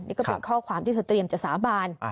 นี่ก็เป็นข้อความที่เธอเตรียมจะสาบาน